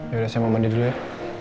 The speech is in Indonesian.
yaudah saya mau mandi dulu ya